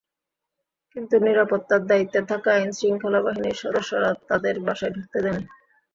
কিন্তু নিরাপত্তার দায়িত্বে থাকা আইনশৃঙ্খলা বাহিনীর সদস্যরা তাঁদের বাসায় ঢুকতে দেননি।